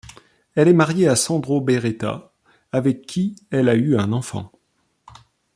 Elle est mariée à Sandro Beretta avec qui elle a eu un enfant.